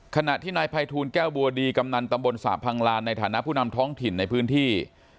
ขณะที่นายภัยทูลแก้วบัวดีกำนันตำบลสระพังลานในฐานะผู้นำท้องถิ่นในพื้นที่